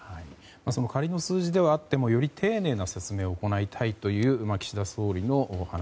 仮の数字ではあってもより丁寧な説明を行いたいという岸田総理の話。